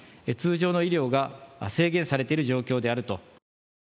通常の医療が制限されている状況であると。